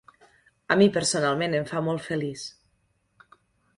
A mi personalment em fa molt feliç.